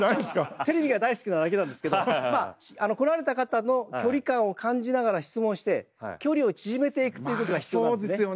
テレビが大好きなだけなんですけど。来られた方の距離感を感じながら質問して距離を縮めていくっていうことが必要なんですね。